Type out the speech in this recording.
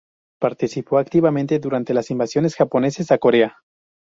Participó activamente durante las invasiones japonesas a Corea.